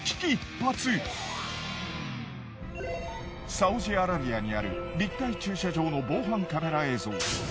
サウジアラビアにある立体駐車場の防犯カメラ映像。